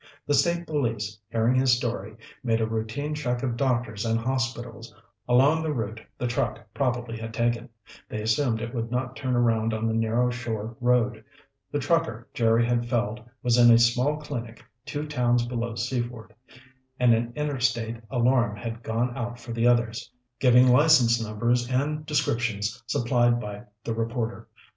The State Police, hearing his story, made a routine check of doctors and hospitals along the route the truck probably had taken; they assumed it would not turn around on the narrow shore road. The trucker Jerry had felled was in a small clinic two towns below Seaford, and an interstate alarm had gone out for the others, giving license numbers and descriptions supplied by the reporter.